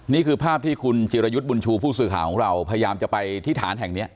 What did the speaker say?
นี่คือภาพที่คุณจิรยุทธ์บุญชูผู้สื่อข่าวของเราพยายามจะไปที่ฐานแห่งนี้